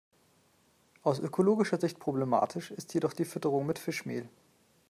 Aus ökologischer Sicht problematisch ist jedoch die Fütterung mit Fischmehl.